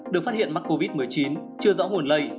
được phát hiện mắc covid một mươi chín chưa rõ nguồn lây